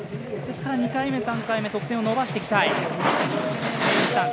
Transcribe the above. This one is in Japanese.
ですから２回目、３回目は得点を伸ばしていきたい。